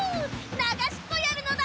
ながしっこやるのだ！